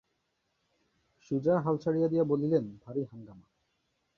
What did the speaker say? সুজা হাল ছাড়িয়া দিয়া বলিলেন, ভারী হাঙ্গামা।